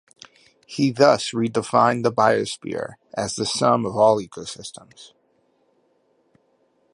He thus redefined the biosphere as the sum of all ecosystems.